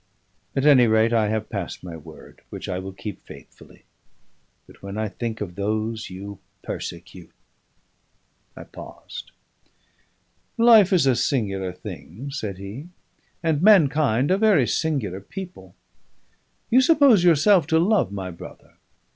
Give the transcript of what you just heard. At any rate, I have passed my word, which I will keep faithfully. But when I think of those you persecute " I paused. "Life is a singular thing," said he, "and mankind a very singular people. You suppose yourself to love my brother.